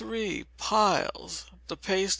Piles. The paste No.